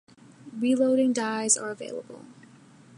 Reloading dies are available.